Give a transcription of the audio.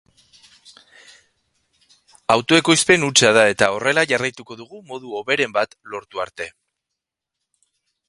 Autoekoizpen hutsa da, eta horrela jarraituko dugu modu hoberen bat lortu arte.